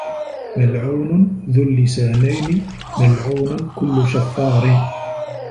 مَلْعُونٌ ذُو اللِّسَانَيْنِ مَلْعُونٌ كُلُّ شَفَّارٍ